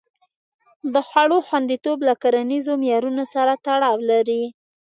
د خوړو خوندیتوب له کرنیزو معیارونو سره تړاو لري.